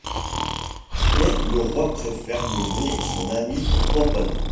Mais le roi préfère nommer son ami Pomponne.